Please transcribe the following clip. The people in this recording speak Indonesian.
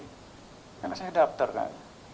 karena saya daftar kan